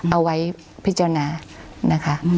เอาไว้พิจารณานะคะ